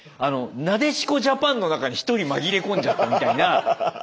なでしこジャパンの中に一人紛れ込んじゃったみたいな。